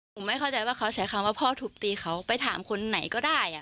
ผมไม่เข้าใจว่าเขาใช้คำว่าพ่อทุบตีเขาไปถามคนไหนก็ได้